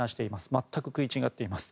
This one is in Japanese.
全く食い違っています。